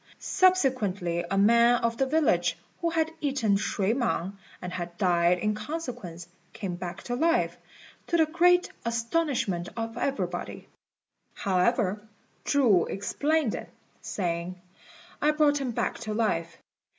Subsequently a man of the village who had eaten shui mang, and had died in consequence, came back to life, to the great astonishment of everybody. However, Chu explained it, saying, "I brought him back to life.